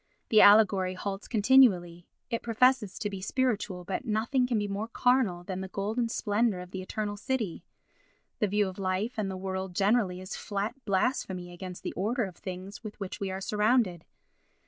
The allegory halts continually; it professes to be spiritual, but nothing can be more carnal than the golden splendour of the eternal city; the view of life and the world generally is flat blasphemy against the order of things with which we are surrounded.